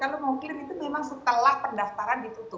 kalau mau clear itu memang setelah pendaftaran ditutup